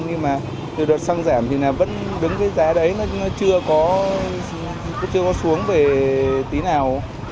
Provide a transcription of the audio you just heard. nhưng mà từ đợt xăng giảm thì là vẫn đứng cái giá đấy nó chưa có xuống về tí nào